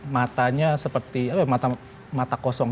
matanya seperti apa ya mata kosong